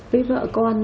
với vợ con